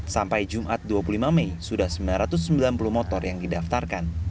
sampai jumat dua puluh lima mei sudah sembilan ratus sembilan puluh motor yang didaftarkan